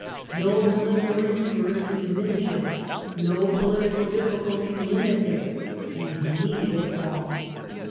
No military reverse could diminish it, no political difficulties limit it. And he needed it all.